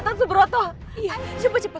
tapi mereka juga menangkapnya